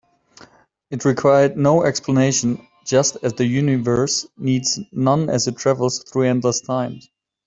It required no explanation, just as the universe needs none as it travels through endless time.